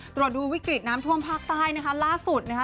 ตรวจดูวิกฤตน้ำท่วมภาคใต้นะคะล่าสุดนะคะ